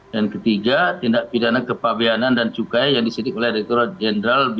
dan ketiga tindak pidana kepabianan dan cukai yang disidik oleh direktur general pajak